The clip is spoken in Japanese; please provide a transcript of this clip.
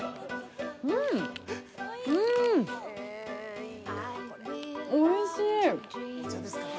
うーん、おいしい！